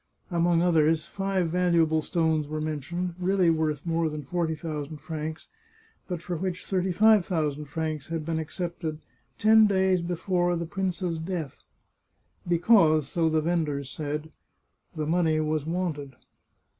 Among others, five valuable stones were mentioned, really worth more than forty thousand francs, but for which thirty five thousand francs had been accepted ten days before the prince's death, because, so the vendors said, the money was wanted.